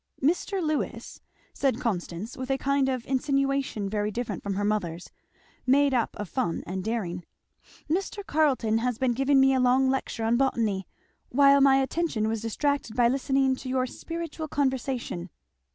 "Mr. Lewis," said Constance with a kind of insinuation very different from her mother's, made up of fun and daring, "Mr. Carleton has been giving me a long lecture on botany; while my attention was distracted by listening to your spirituel conversation."